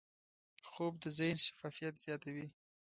خوب د ذهن شفافیت زیاتوي